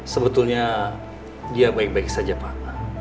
sebetulnya dia baik baik saja pak